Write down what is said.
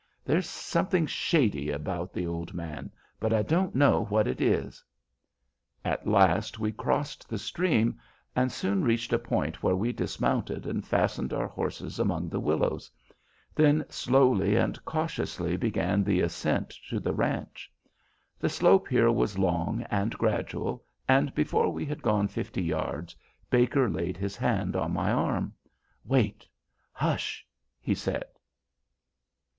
"There's something shady about the old man, but I don't know what it is." At last we crossed the stream, and soon reached a point where we dismounted and fastened our horses among the willows; then slowly and cautiously began the ascent to the ranch. The slope here was long and gradual, and before we had gone fifty yards Baker laid his hand on my arm. "Wait. Hush!" he said.